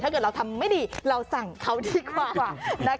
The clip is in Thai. ถ้าเกิดเราทำไม่ดีเราสั่งเขาดีกว่า